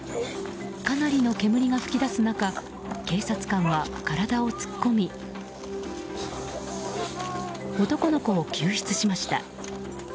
かなりの煙が噴き出す中警察官は体を突っ込み男の子を救出しました。